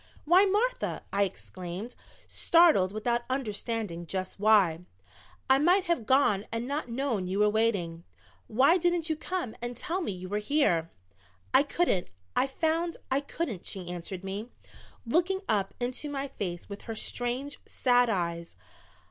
"Why, Martha," I exclaimed, startled without understanding just why. "I might have gone and not known you were waiting. Why didn't you come and tell me you were here?" "I couldn't I found I couldn't," she answered me, looking up into my face with her strange, sad eyes.